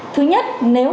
thứ nhất nếu